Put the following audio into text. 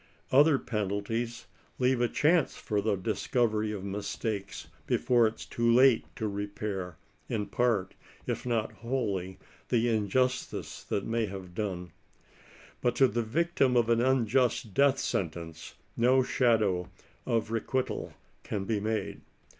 Other penalties leave a chance for the discovery of mistakes before it is too late to repair, in part, if not wholly, the injustice they may have done ; but to the victim of an unjust death sentence no shadow of re quital, can be made.